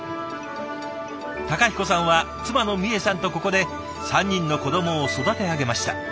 孝彦さんは妻のみえさんとここで３人の子どもを育て上げました。